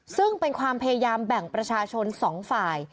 ซึ่งเป็นความพยายามแบ่งประชาชน๒ฝ่าย